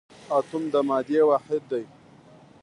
اتوم د مادې واحد دی